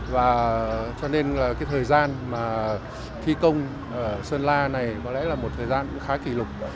và cho nên cái thời gian mà thi công ở sơn la này có lẽ là một thời gian khá kỷ lục